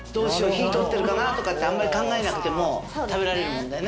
火通ってるかなとかってあんまり考えなくても食べられるもんだよね